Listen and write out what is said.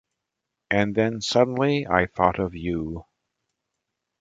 And then suddenly I thought of you.